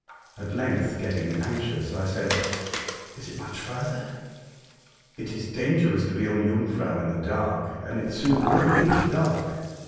At length, getting anxious, I said, "Is it much further ? It is dangerous to be on Jung frau in the dark, and it soon will be dark."